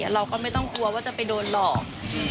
เราก็ไม่ต้องกลัวว่าจะไปโดนหลอก